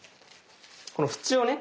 この縁をね